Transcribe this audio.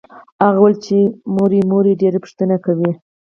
هغه وويل چې ادې دې ډېره پوښتنه کوي.